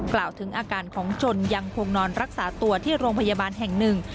กล่าวถึงอาการของจนยังคงนอนรักษาตัวที่โรงพยาบาลแห่งหนึ่ง